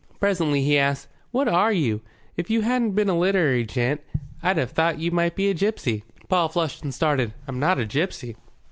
Presently he asked, "What are you? If you hadn't been a literary gent I'd have thought you might be a gipsy." Paul flushed and started. "I'm not a gipsy."